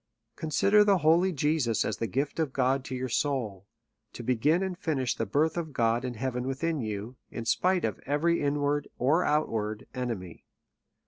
Consider the holy Jesus as the gift of God to your soul, to begin and finish the birth of God and heaven within you, in spite of every inward or outward enemy.